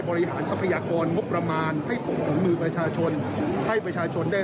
ทรัพยากรงบประมาณให้ปกถุงมือประชาชนให้ประชาชนได้